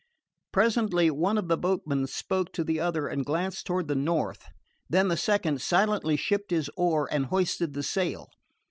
Presently one of the boatmen spoke to the other and glanced toward the north. Then the second silently shipped his oar and hoisted the sail.